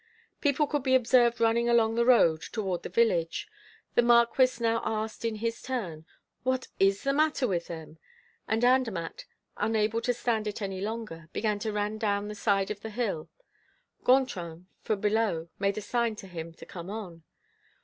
People could be observed running along the road toward the village. The Marquis now asked, in his turn: "What is the matter with them?" And Andermatt, unable to stand it any longer, began to run down the side of the hill. Gontran, from below, made a sign to him to come on.